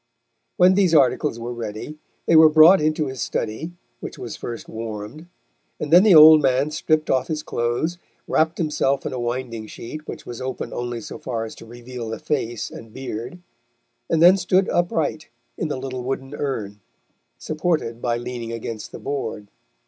When these articles were ready, they were brought into his study, which was first warmed, and then the old man stripped off his clothes, wrapped himself in a winding sheet which was open only so far as to reveal the face and beard, and then stood upright in the little wooden urn, supported by leaning against the board.